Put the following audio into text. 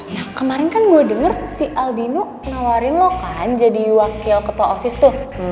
ya kemarin kan gue denger si aldino nawarin lo kan jadi wakil ketua osis tuh